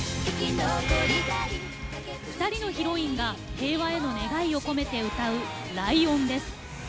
２人のヒロインが平和への願いを込めて歌う「ライオン」です。